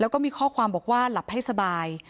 แล้วก็มีข้อความบอกว่าหลับให้สบาย